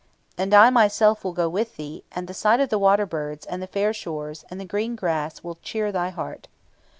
And I myself will go with thee; and the sight of the water birds, and the fair shores, and the green grass will cheer thy heart.'